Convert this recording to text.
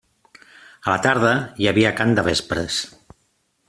A la tarda hi havia cant de vespres.